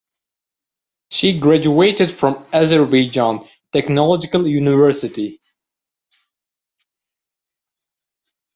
She graduated from Azerbaijan Technological University.